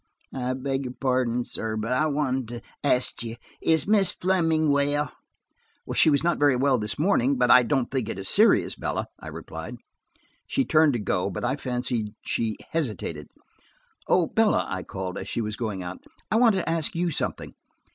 "I beg your pardon, sir, but–I wanted to ask you–is Miss Fleming well?" "She was not very well this morning, but I don't think it is serious, Bella," I replied. She turned to go, but I fancied she hesitated. "Oh, Bella," I called, as she was going out, "I want to ask you something.